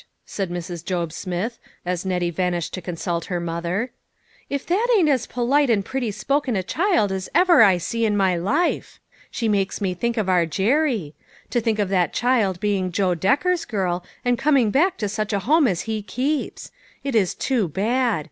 said Mrs. Job Smith as Nettie vanished to consult her mother. " If that ain't as polite and pretty spoken a child as ever I see in my life. She makes me think of our Jerry. To think of that child being Joe Decker's girl and coming back to such a home as he keeps ! It is too bad